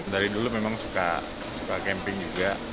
dari dulu memang suka camping juga